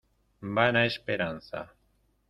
vana esperanza.